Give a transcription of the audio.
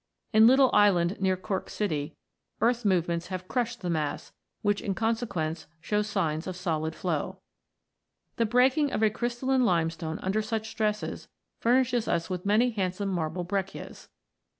In Little Island, near Cork city, earth movements have crushed the mass, which in con sequence shows signs of solid flow. The breaking of a crystalline limestone under such stresses furnishes n] THE LIMESTONES 65 us with many handsome marble Breccias.